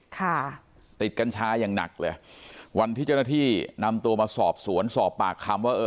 ค่ะติดกัญชาอย่างหนักเลยวันที่เจ้าหน้าที่นำตัวมาสอบสวนสอบปากคำว่าเออ